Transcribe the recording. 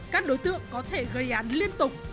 các đối tượng có thể gây án liên tục